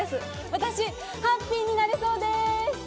私、ハッピーになれそうでーす！